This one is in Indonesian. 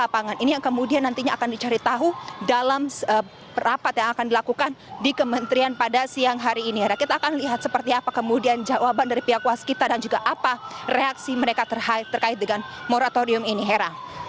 pemantauan di lokasi kejadian pada siang hari ini hera kita akan lihat seperti apa kemudian jawaban dari pihak waskita dan juga apa reaksi mereka terkait dengan moratorium ini hera